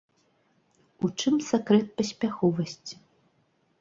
У чым сакрэт паспяховасці?